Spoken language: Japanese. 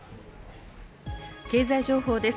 経済情報です。